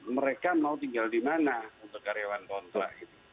mereka mau tinggal di mana untuk karyawan kontrak